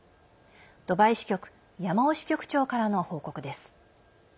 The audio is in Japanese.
ドバイ支局山尾支局長からの報告です。